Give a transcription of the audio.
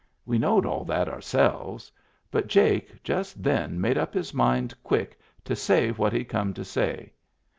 We knowed all that ourselves — but Jake just then made up his mind quick to say what he'd come to say.